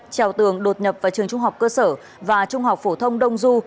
trèo tường đột nhập vào trường trung học cơ sở và trung học phổ thông đông du